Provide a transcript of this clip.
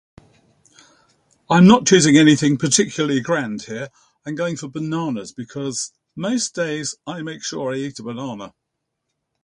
I'm not choosing anything particularly grand here. I'm going for bananas, because most days I make sure I eat a banana.